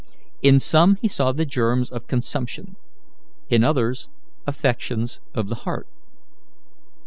In some he saw the germs of consumption; in others, affections of the heart.